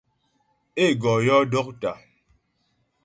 Ê gɔ yɔ́ dɔ́ktà.